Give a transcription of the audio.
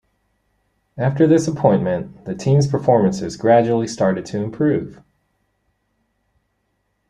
After this appointment the team's performances gradually started to improve.